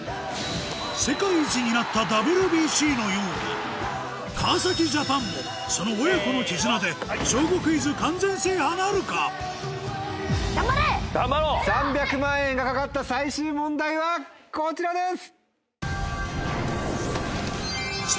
世界一になったＷＢＣのように川ジャパンもその親子の絆で３００万円が懸かった最終問題はこちらです。